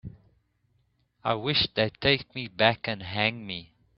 I wish they'd take me back and hang me.